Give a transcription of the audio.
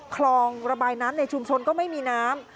คลองระบายน้ำในชุมชนก็ไม่มีน้ำ